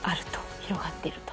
広がっていると。